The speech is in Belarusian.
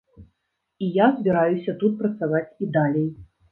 І я збіраюся тут працаваць і далей.